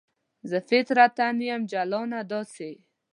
زه فطرتاً یم جلانه داسې